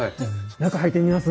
中入ってみます？